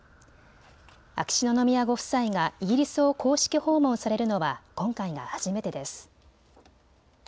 秋篠宮ご夫妻がイギリスを公式訪問されるのは今回が初めてです。